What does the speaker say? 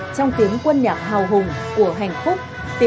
trong tiếng quân nhạc hào hùng của hạnh phúc